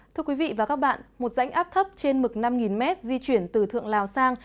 thưa quý vị và các bạn một rãnh áp thấp trên mực năm m di chuyển từ thượng lào sang